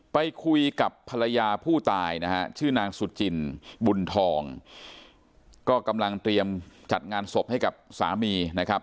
ไปคุยกับภรรยาผู้ตายนะฮะชื่อนางสุจินบุญทองก็กำลังเตรียมจัดงานศพให้กับสามีนะครับ